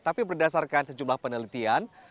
tapi berdasarkan sejumlah penelitian